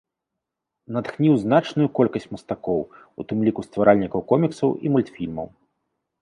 Натхніў значную колькасць мастакоў, у тым ліку стваральнікаў коміксаў і мультфільмаў.